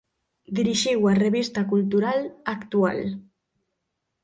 Dirixiu a revista cultural "Actual".